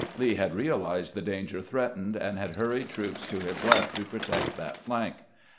Lee had realized the danger threatened, and had hurried troops to his left to protect that flank.